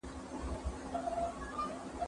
کېدای سي زدکړه سخته وي؟!